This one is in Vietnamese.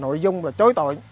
nội dung là chối tội